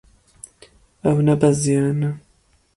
Ew nebeziyane.